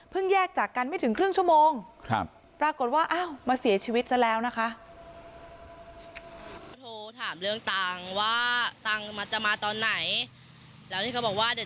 แยกจากกันไม่ถึงครึ่งชั่วโมงปรากฏว่าอ้าวมาเสียชีวิตซะแล้วนะคะ